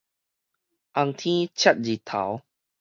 紅天赤日頭